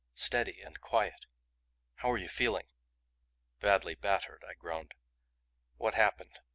"Steady and quiet. How are you feeling?" "Badly battered," I groaned. "What happened?"